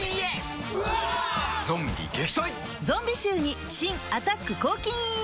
ゾンビ臭に新「アタック抗菌ＥＸ」